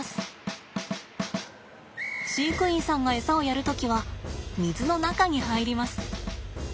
飼育員さんがエサをやる時は水の中に入ります。